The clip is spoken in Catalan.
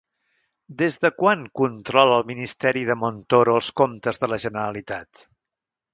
Des de quan controla el ministeri de Montoro els comptes de la Generalitat?